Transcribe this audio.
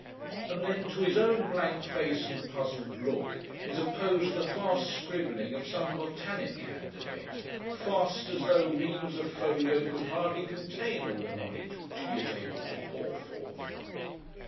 And then to his own blank face and puzzled look is opposed the fast scribbling of some botanic candidate, fast as though reams of folio could hardly contain all the knowledge which he is able to pour forth.